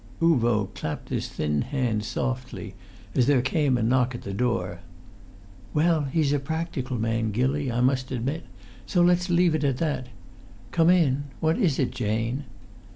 Uvo clapped his thin hands softly as there came a knock at the door. "Well, he's a practical man, Gilly, I must admit, so let's leave it at that. Come in! What is it, Jane?"